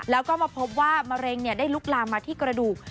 แล้วก็มาพบว่ามะเร็งได้ลุกลามมาที่กระดูก